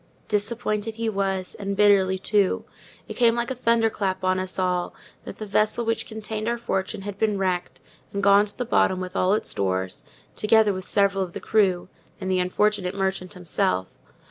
Disappointed he was; and bitterly, too. It came like a thunder clap on us all, that the vessel which contained our fortune had been wrecked, and gone to the bottom with all its stores, together with several of the crew, and the unfortunate merchant himself.